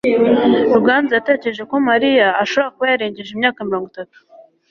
ruganzu yatekereje ko mariya ashobora kuba yarengeje imyaka mirongo itatu